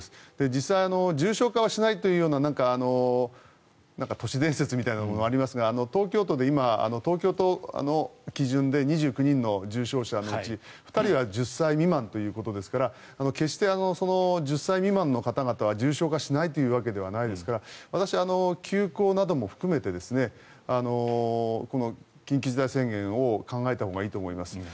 実際重症化はしないというような都市伝説みたいなものがありますが東京都で今、東京都の基準で２９人の重症者のうち２人は１０歳未満ということですから決して、１０歳未満の方々は重症化しないというわけではないですから私、休校なども含めてこの緊急事態宣言を考えたほうがいいと思います。